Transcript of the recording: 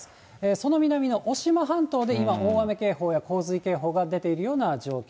その南の渡島半島で今、大雨警報や洪水警報が出ているような状況